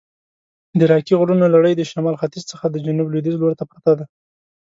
د راکي غرونو لړي د شمال ختیځ څخه د جنوب لویدیځ لورته پرته ده.